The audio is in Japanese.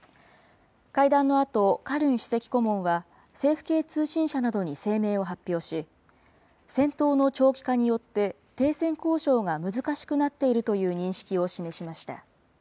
会談のあと、カルン首席顧問は、政府系通信社などに声明を発表し、戦闘の長期化によって停戦交渉が難しくなっているという認識を示しました。